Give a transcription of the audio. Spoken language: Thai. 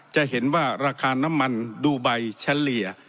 จะเห็นว่าราคาน้ำมันดูไบเฉลี่ย